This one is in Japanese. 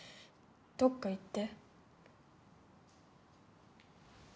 どっか行って。